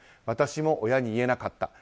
私も親に言えなかった。